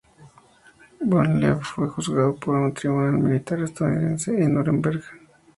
Von Leeb fue juzgado por un tribunal militar estadounidense en Núremberg.